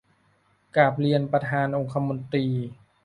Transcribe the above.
กราบเรียนประธานองคมนตรี